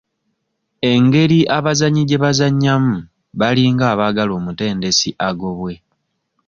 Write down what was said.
Engeri abazannyi gye bazannyamu balinga abaagala omutendesi agobwe.